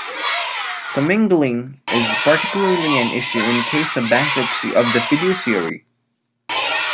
Commingling is particularly an issue in case of bankruptcy of the fiduciary.